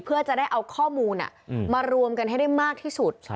เพื่อจะได้เอาข้อมูลมารวมกันให้ได้มากที่สุด